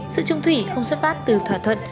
sự chung thủy không xuất phát từ thỏa thuận